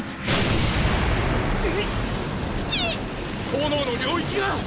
炎の領域が！